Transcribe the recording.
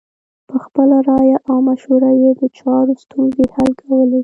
په خپله رایه او مشوره یې د چارو ستونزې حل کولې.